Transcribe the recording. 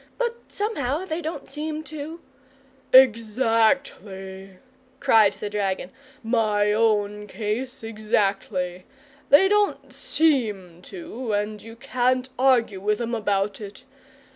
But somehow they don't seem to " "Exactly," cried the dragon; "my own case exactly. They don't seem to, and you can't argue with 'em about it.